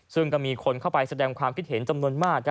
ซึ่งก็มีคนเข้าไปแสดงความคิดเห็นจำนวนมาก